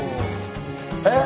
えっ？